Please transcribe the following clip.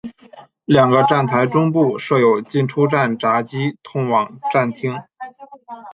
两个站台中部设有进出站闸机通往站厅。